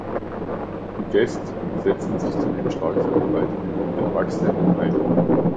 Die Guests setzten sich zudem stark für die Weiterbildung der Erwachsenen ein.